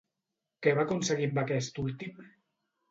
Què va aconseguir amb aquest últim?